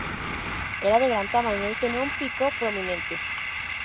Era de gran tamaño, y tenía un pico prominente.